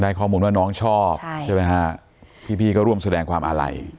ข้อมูลว่าน้องชอบใช่ไหมฮะพี่ก็ร่วมแสดงความอาลัย